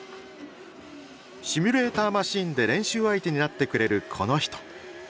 シミュレーターマシンで練習相手になってくれるこの人。